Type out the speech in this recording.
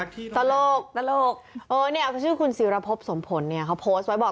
ตลกตลกเออเนี่ยชื่อคุณศิรพบสมผลเนี่ยเขาโพสต์ไว้บอก